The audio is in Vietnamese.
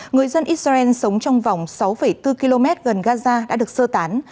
người dân israel sống trong vòng sáu bốn km gần gaza đã được sơ tán